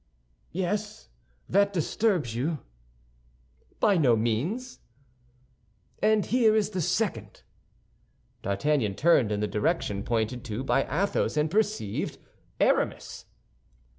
"Yes, that disturbs you?" "By no means." "And here is the second." D'Artagnan turned in the direction pointed to by Athos, and perceived Aramis.